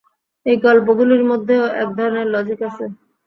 এই গল্পগুলির মধ্যেও এক ধরনের লজিক আছে।